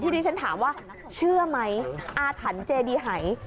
ที่ฉันถามว่าเชื่อไหมอาถรรพ์เจดีหาย